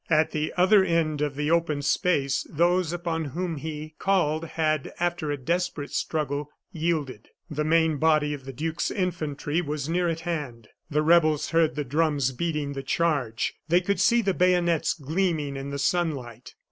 At the other end of the open space those upon whom he called had, after a desperate struggle, yielded. The main body of the duke's infantry was near at hand. The rebels heard the drums beating the charge; they could see the bayonets gleaming in the sunlight.